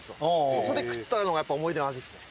そこで食ったのがやっぱ思い出の味ですね。